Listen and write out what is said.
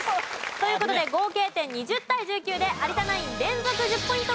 という事で合計点２０対１９で有田ナイン連続１０ポイント獲得です。